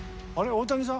大谷さん。